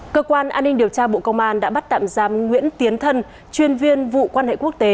cơ quan an ninh điều tra bộ công an đã bắt tạm giam nguyễn tiến thân chuyên viên vụ quan hệ quốc tế